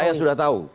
saya sudah tahu